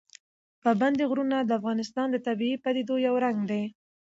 پابندی غرونه د افغانستان د طبیعي پدیدو یو رنګ دی.